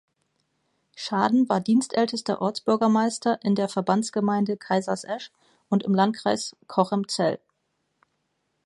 Schaden war dienstältester Ortsbürgermeister in der Verbandsgemeinde Kaisersesch und im Landkreis Cochem-Zell.